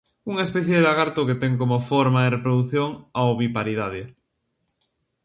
Unha especie de lagarto que ten como forma de reprodución a oviparidade.